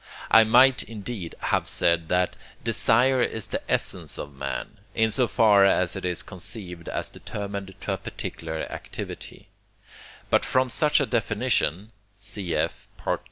I might, indeed, have said, that desire is the essence of man, in so far as it is conceived as determined to a particular activity; but from such a definition (cf.